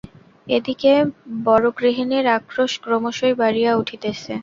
এদিকে বড়োগৃহিণীর আক্রোশ ক্রমশই বাড়িয়া উঠিতেছে।